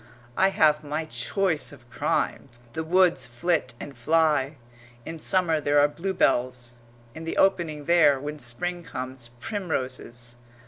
I have my choice of crimes. The woods flit and fly in summer there are bluebells; in the opening there, when Spring comes, primroses.